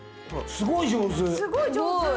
すごい上手。